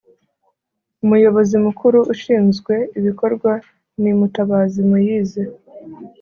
umuyobozi mukuru ushinzwe ibikorwa ni mutabazi moise